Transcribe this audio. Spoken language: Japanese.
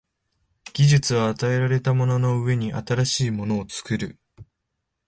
技術は与えられたものの上に新しいものを作る。